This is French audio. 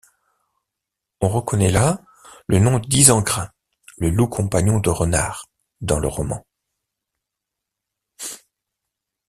On reconnaît là le nom d’Ysengrin, le loup compagnon de Renart dans le roman.